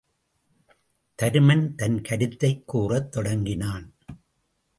தருமன் தன் கருத்தைக் கூறத் தொடங்கினான்.